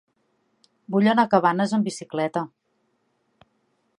Vull anar a Cabanes amb bicicleta.